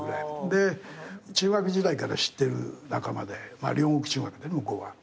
で中学時代から知ってる仲間で両国中学で向こうは。